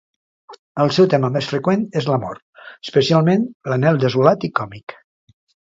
El seu tema més freqüent és l'amor, especialment l'anhel desolat i còmic.